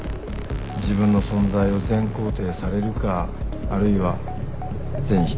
自分の存在を全肯定されるかあるいは全否定されるか。